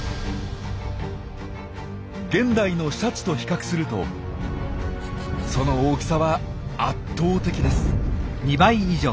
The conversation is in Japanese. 現代のシャチと比較するとその大きさは圧倒的です。